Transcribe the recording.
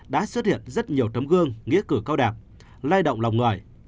đã xuất hiện rất nhiều tấm gương nghĩa cử cao đẹp lai động lòng người